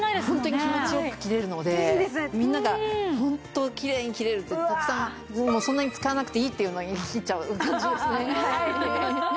ホントに気持ち良く切れるのでみんながホントきれいに切れるってたくさんもうそんなに使わなくていいっていうのに切っちゃう感じですね。